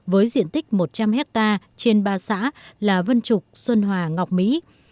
với diện tích một trăm linh hectare trên ba xã là vân trục xuân hòa ngọc mỹ